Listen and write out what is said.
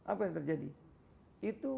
apa yang terjadi itu